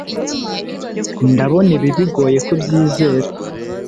Ndabona ibi bigoye kubyizera